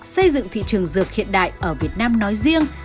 xây dựng thị trường dược hiện đại ở việt nam nói riêng